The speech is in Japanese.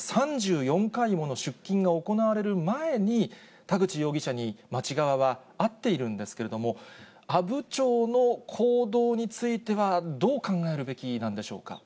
３４回もの出金が行われる前に、田口容疑者に町側は会っているんですけれども、阿武町の行動についてはどう考えるべきなんでしょうか。